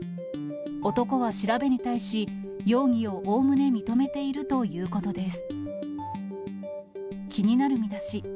男は調べに対し、容疑をおおむね認めているということです。